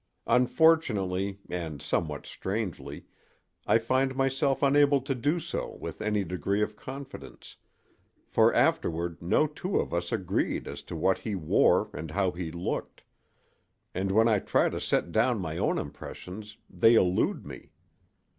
Unfortunately, and somewhat strangely, I find myself unable to do so with any degree of confidence, for afterward no two of us agreed as to what he wore and how he looked; and when I try to set down my own impressions they elude me.